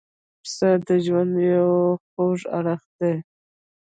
پسه د ژوند یو خوږ اړخ دی.